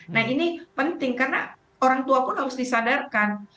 nah ini penting karena orang tua pun harus disadarkan